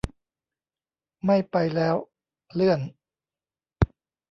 ไม่ไปแล้ว เลื่อน